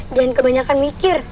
jangan kebanyakan mikir